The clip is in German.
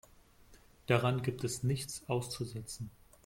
Daran gibt es nichts auszusetzen.